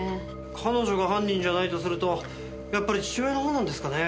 彼女が犯人じゃないとするとやっぱり父親の方なんですかね？